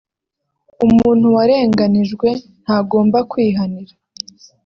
“Umuntu warenganijwe ntagomba kwihanira